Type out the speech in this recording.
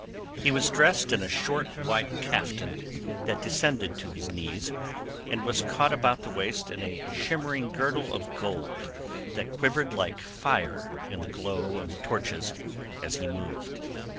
He was dressed in a short white caftan that descended to his knees, and was caught about his waist in a shimmering girdle of gold that quivered like fire in the glow of the torches as he moved.